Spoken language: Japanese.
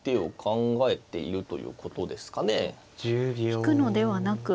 引くのではなく。